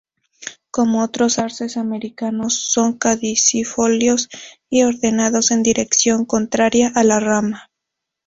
Como otros arces americanos, son caducifolios y ordenados en dirección contraria a la rama.